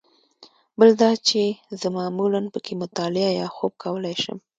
بل دا چې زه معمولاً په کې مطالعه یا خوب کولای شم.